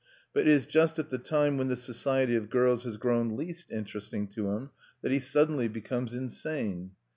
But it is just at the time when the society of girls has grown least interesting to him that he suddenly becomes insane.